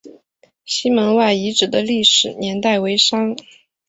西门外遗址的历史年代为商。